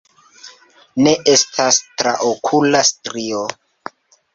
Ne estas traokula strio.